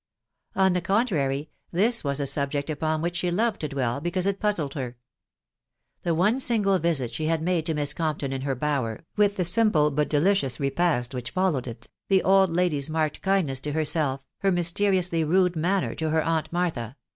On the contrary, this was a subject upon which she loved to dwell, because it puuded her. The .one single visit she had made to Miss Com p ton in her bower, with the simple but de ttoious repast which iblkswed iW ..• ahe aid lady's marked lafetinesff to bersetf,'her mysteriously nade manner to her^aunt Iftartha